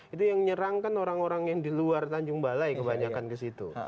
itu yang nyerangkan orang orang yang di luar tanjung balai kebanyakan ke situ